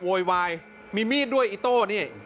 โวยไวมีตัวนิดด้วยอีโต้นี่